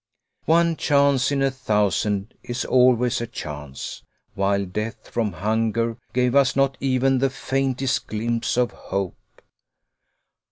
One chance in a thousand is always a chance, while death from hunger gave us not even the faintest glimpse of hope.